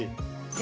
え！